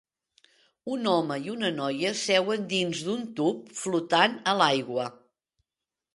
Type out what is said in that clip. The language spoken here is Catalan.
Un home i una noia seuen dins d'un tub flotant a l'aigua.